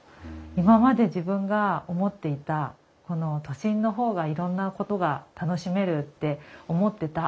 今まで自分が思っていた都心の方がいろんなことが楽しめるって思ってた。